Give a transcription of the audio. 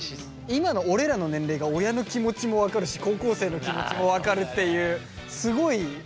今の俺らの年齢が親の気持ちも分かるし高校生の気持ちも分かるっていうすごい中間にいるよね。